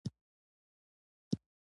په کرکه یې راکتل !